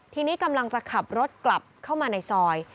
ทีนี้กำลังจะขับรถกลับเข้ามาในซอย